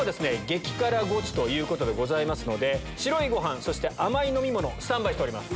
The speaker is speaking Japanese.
激辛ゴチということでございますので白いご飯そして甘い飲み物スタンバイしております。